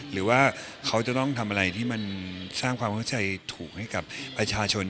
หรือว่าเขาจะต้องทำอะไรที่มันสร้างความเข้าใจถูกให้กับประชาชน